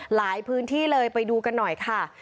หลายพื้นที่เลยไปดูกันหน่อยค่ะ